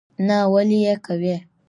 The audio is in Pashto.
نه ولي یې کوې?